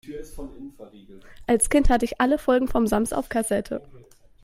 Als Kind hatte ich alle Folgen vom Sams auf Kassette.